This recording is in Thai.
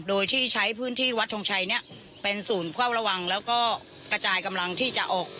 โดยที่ใช้พื้นที่วัดทงชัยเนี่ยเป็นศูนย์เฝ้าระวังแล้วก็กระจายกำลังที่จะออก